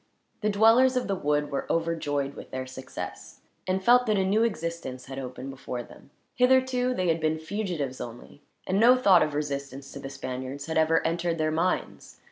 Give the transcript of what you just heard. The dwellers of the wood were overjoyed with their success, and felt that a new existence had opened before them. Hitherto they had been fugitives only, and no thought of resistance to the Spaniards had ever entered their minds.